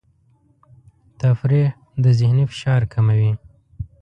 تفریح د ذهني فشار کموي.